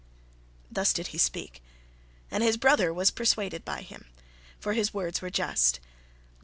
Thus did he speak, and his brother was persuaded by him, for his words were just.